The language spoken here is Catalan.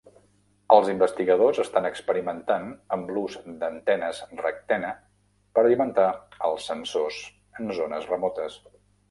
Els investigadors estan experimentant amb l'ús de d'antenes rectena per alimentar els sensors en zones remotes.